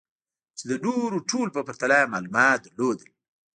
چې د نورو ټولو په پرتله يې معلومات لرل.